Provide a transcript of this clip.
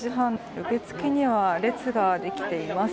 受付には列ができています。